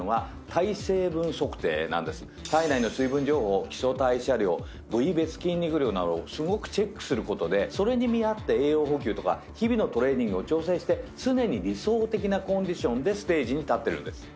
体内の水分情報基礎代謝量部位別筋肉量などをすごくチェックすることでそれに見合った栄養補給とか日々のトレーニングを調整して常に理想的なコンディションでステージに立ってるんです。